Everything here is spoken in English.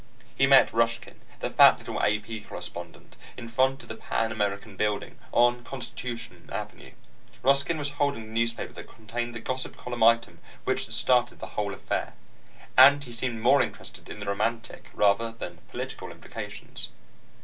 He met Ruskin, the fat little AP correspondent, in front of the Pan American Building on Constitution Avenue. Ruskin was holding the newspaper that contained the gossip column item which had started the whole affair, and he seemed more interested in the romantic rather than political implications.